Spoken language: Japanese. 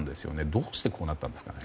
どうしてこうなったんですか。